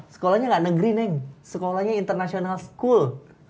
sekolahnya gak negeri nih sekolahnya international school